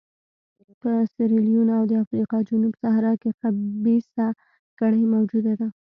په سیریلیون او د افریقا جنوب صحرا کې خبیثه کړۍ موجوده ده.